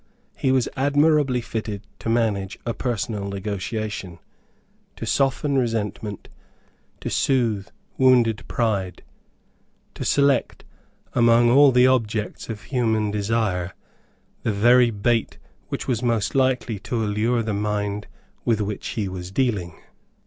He was admirably fitted to manage a personal negotiation, to soften resentment, to soothe wounded pride, to select, among all the objects of human desire, the very bait which was most likely to allure the mind with which he was dealing.